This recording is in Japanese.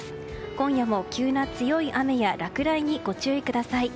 今夜も急な強い雨や落雷にご注意ください。